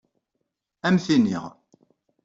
Ad am-t-iniɣ.